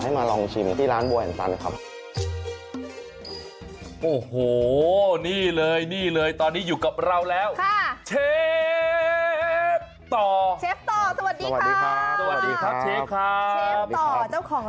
ข้างบัวแห่งสันยินดีต้อนรับสำหรับทุกท่านนะครับ